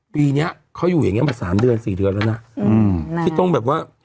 ปีนี้เขาอยู่อย่างเงี้มาสามเดือนสี่เดือนแล้วนะที่ต้องแบบว่า